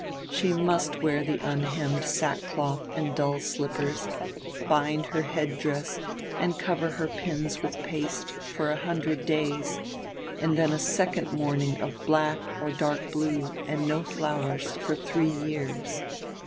She must wear the unhemmed sackcloth and dull slippers, bind her headdress and cover her pins with paste, for a hundred days; and then a second mourning of black or dark blue, and no flowers, for three years.